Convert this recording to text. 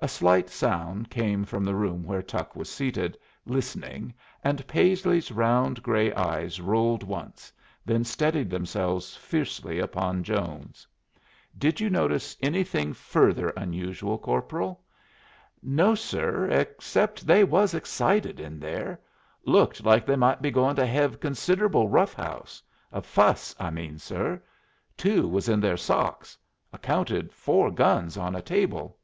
A slight sound came from the room where Tuck was seated, listening, and Paisley's round gray eyes rolled once, then steadied themselves fiercely upon Jones. "Did you notice anything further unusual, corporal?" "No, sir, except they was excited in there. Looked like they might be goin' to hev considerable rough house a fuss, I mean, sir. Two was in their socks. I counted four guns on a table."